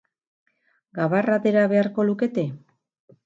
Gabarra atera beharko lukete?